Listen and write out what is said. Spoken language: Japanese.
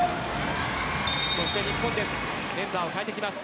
そして日本メンバーを代えてきます。